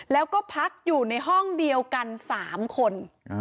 แล้วก็พักอยู่ในห้องเดียวกัน๓คน